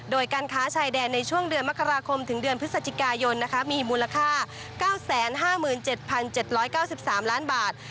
โดยการค้าชายแดนในช่วงเดือนมกราคมถึงเดือนพฤศจิกายนมีมูลค่า๙๕๗๗๙๓ล้านบาท